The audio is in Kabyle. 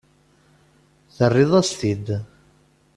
Terriḍ-as-t-id.